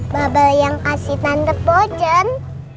bubble yang kasih tanda pojeng